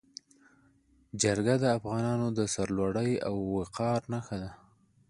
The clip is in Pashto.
جرګه د افغانانو د سرلوړۍ او وقار نښه ده.